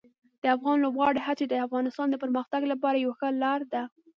د افغان لوبغاړو هڅې د افغانستان د پرمختګ لپاره یوه ښه لار ده.